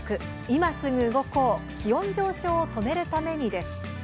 いますぐ動こう、気温上昇を止めるために。」です。